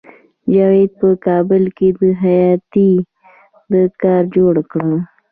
جاوید په کابل کې د خیاطۍ دکان جوړ کړ